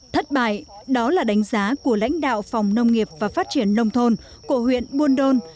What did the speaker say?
thất bại đó là đánh giá của lãnh đạo phòng nông nghiệp và phát triển nông thôn của huyện buôn đôn